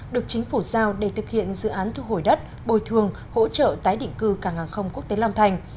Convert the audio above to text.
được chính phủ giao để thực hiện dự án thu hồi đất bồi thường hỗ trợ tái định cư cảng hàng không quốc tế long thành